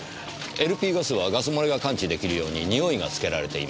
ＬＰガスはガス漏れが感知できるようににおいが付けられています。